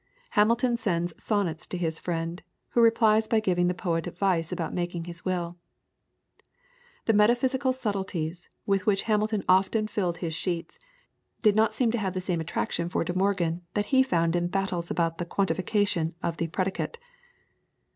Hamilton sends sonnets to his friend, who replies by giving the poet advice about making his will. The metaphysical subtleties, with which Hamilton often filled his sheets, did not seem to have the same attraction for De Morgan that he found in battles about the quantification of the Predicate.